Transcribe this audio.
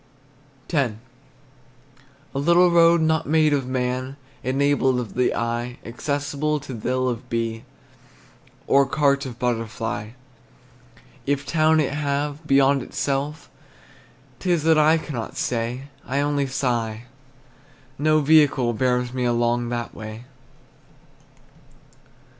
X. A little road not made of man, Enabled of the eye, Accessible to thill of bee, Or cart of butterfly. If town it have, beyond itself, 'T is that I cannot say; I only sigh, no vehicle Bears me along that way.